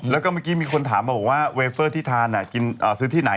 แล้วก็เมื่อกี้มีคนถามมาบอกว่าเวเฟอร์ที่ทานซื้อที่ไหน